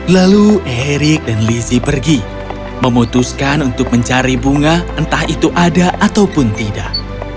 lalu erik dan lizzie pergi memutuskan untuk mencari bunga entah itu ada ataupun tidak